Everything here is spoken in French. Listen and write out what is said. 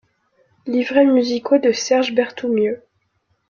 Livrets musicaux de Serge Berthoumieux.